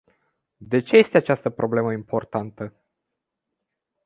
De ce este această problemă importantă?